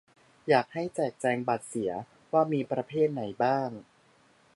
อยากให้แจกแจงบัตรเสีย ว่ามีประเภทไหนบ้าง